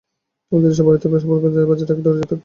আমাদের দেশের বাড়িতে সফদরগঞ্জ বাজারে এক দরজি থাকত।